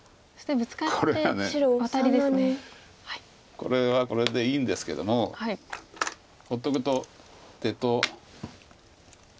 これはこれでいいんですけども放っとくと出と。